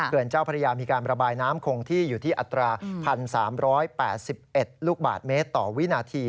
เจ้าพระยามีการระบายน้ำคงที่อยู่ที่อัตรา๑๓๘๑ลูกบาทเมตรต่อวินาที